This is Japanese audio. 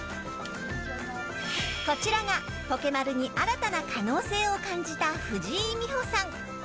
こちらがポケマルに新たな可能性を感じた藤井美帆さん。